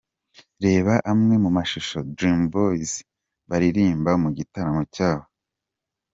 Reba amwe mu mashusho Dream Boyz baririmba mu gitaramo cyabo:.